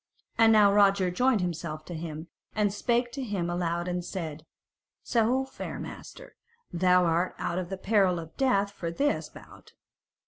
And now Roger joined himself to him, and spake to him aloud and said: "So, fair master, thou art out of the peril of death for this bout."